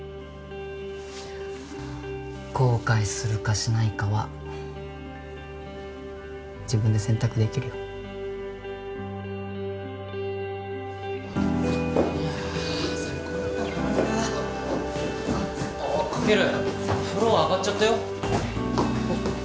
後悔するかしないかは自分で選択できるよいや最高だったなああっカケル風呂上がっちゃったよあっ